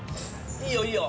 いいよいいよ。